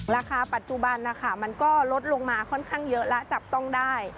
ราคาปัจจุบันนะคะมันก็ลดลงมาค่อนข้างเยอะแล้วจับต้องได้